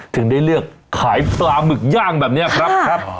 ถึงได้เลือกขายปลาหมึกย่างแบบนี้ครับ